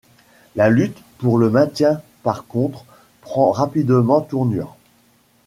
La lutte pour le maintien par contre prend rapidement tournure.